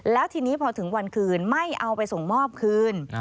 แล้วทีนี้พอถึงวันคืนไม่เอาไปส่งมอบคืน